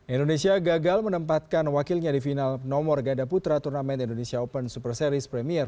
indonesia gagal menempatkan wakilnya di final nomor ganda putra turnamen indonesia open super series premier dua ribu tujuh belas